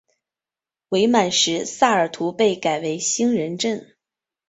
伪满时萨尔图被改为兴仁镇。